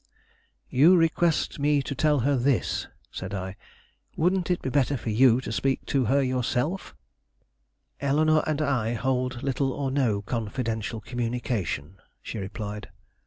"You request me to tell her this," said I. "Wouldn't it be better for you to speak to her yourself?" "Eleanore and I hold little or no confidential communication," she replied.